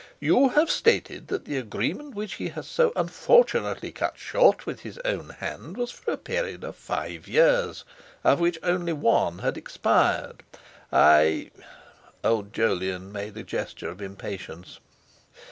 You have stated that the agreement which he has so unfortunately cut short with his own hand was for a period of five years, of which one only had expired—I—" Old Jolyon made a gesture of impatience.